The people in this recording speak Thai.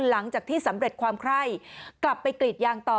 หลังจากที่สำเร็จความไคร้กลับไปกรีดยางต่อ